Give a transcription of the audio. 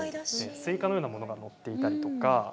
スイカのようなものが載っていたりとか。